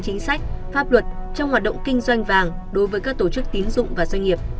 chính sách pháp luật trong hoạt động kinh doanh vàng đối với các tổ chức tín dụng và doanh nghiệp